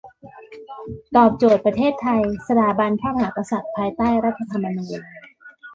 ตอบโจทย์ประเทศไทย สถาบันพระมหากษัตริย์ ภายใต้รัฐธรรมณูญ